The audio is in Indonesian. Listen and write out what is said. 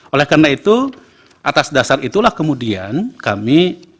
oleh karena itu atas dasar itulah kemudian kami